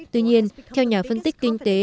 tuy nhiên theo nhà phân tích kinh tế